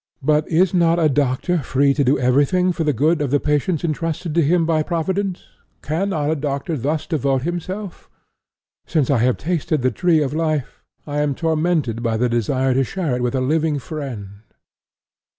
But is not a doctor free to do everything for the good of the patients intrusted to him by Providence? Cannot a doctor thus devote himself? Since I have tasted the tree of life I am tormented by the desire to share it with a loving friend.'